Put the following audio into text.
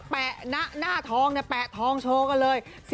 แปะหน้าทองเนี่ยแปะทองโชว์กันเลย